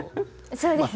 そうです。